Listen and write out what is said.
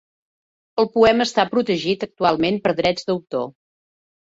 El poema està protegit actualment per drets d"autor.